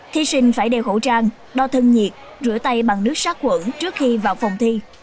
thí sinh phải đeo khẩu trang đo thân nhiệt rửa tay bằng nước sát quẩn trước khi vào phòng thi